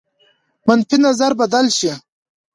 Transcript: منفي نظر بدل شي.